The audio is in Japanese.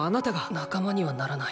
仲間にはならない。